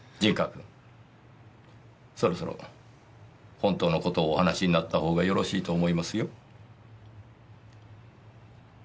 君そろそろ本当の事をお話しになったほうがよろしいと思いますよ。